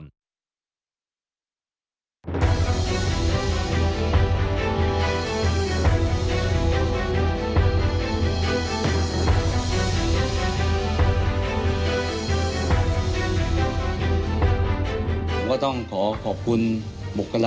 พุทธคุณกรุมมากมายความพิธีที่เพื่อนการทสุจริงโดยปารักษณ์ของสนุน